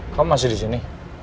kamu masih di sini